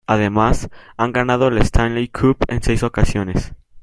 Además, han ganado la Stanley Cup en seis ocasiones.